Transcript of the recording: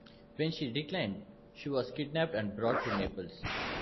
When she declined, she was kidnapped and brought to Naples.